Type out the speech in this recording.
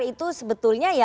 itu sebetulnya ya memang ya